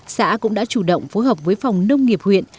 xã cũng đã chủ động phối hợp với phòng nông nghiệp huyện